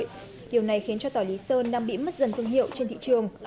điều này khiến cho tỏi lý sơn đang bị mất dần thương hiệu trên thị trường